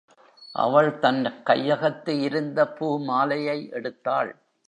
அவள் தன் கையகத்து இருந்த பூ மாலையை எடுத்தாள்.